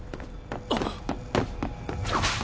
あっ！